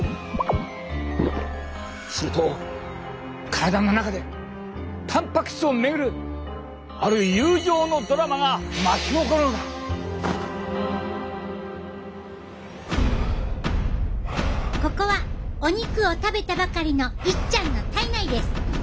すると体の中でたんぱく質を巡るある友情のドラマがここはお肉を食べたばかりのいっちゃんの体内です。